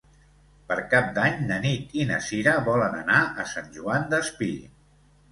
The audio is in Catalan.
Per Cap d'Any na Nit i na Sira volen anar a Sant Joan Despí.